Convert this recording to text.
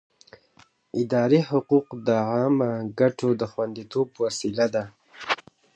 اداري حقوق د عامه ګټو د خوندیتوب وسیله ده.